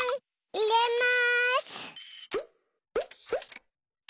いれます！